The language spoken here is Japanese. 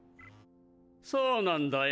そうなんだよ！